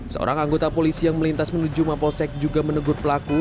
seorang anggota polisi yang melintas menuju mapolsek juga menegur pelaku